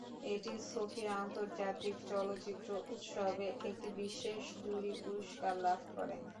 এটি সোফিয়া আন্তর্জাতিক চলচ্চিত্র উৎসবে একটি বিশেষ জুরি পুরস্কার লাভ করে।